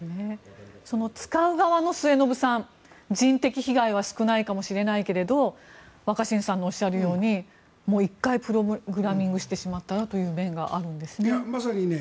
使う側は、人的被害は少ないかもしれないけれど若新さんのおっしゃるように１回プログラミングしたらという面があるようですね。